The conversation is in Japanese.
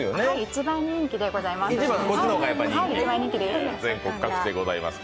一番人気でございます。